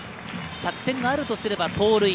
作戦があるとすれば盗塁。